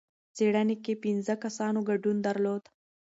څېړنې کې پنځه کسانو ګډون درلود.